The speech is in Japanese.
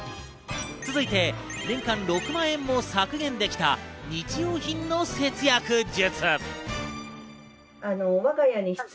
続いて年間６万円も削減できた日用品の節約術。